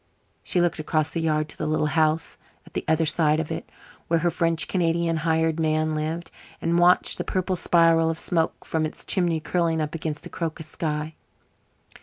She looked across the yard to the little house at the other side of it, where her French Canadian hired man lived, and watched the purple spiral of smoke from its chimney curling up against the crocus sky.